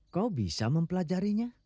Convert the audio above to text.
kau bisa mempelajarinya